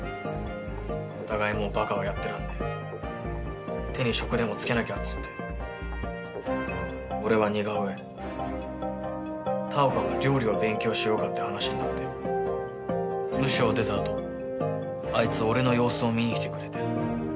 お互いもうバカはやってらんねえ手に職でもつけなきゃっつって俺は似顔絵田岡は料理を勉強しようかって話になってムショを出たあとあいつ俺の様子を見にきてくれて。